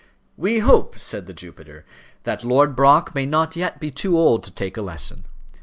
"We hope," said the Jupiter, "that Lord Brock may not yet be too old to take a lesson.